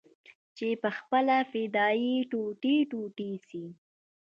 چې پخپله فدايي ټوټې ټوټې سي.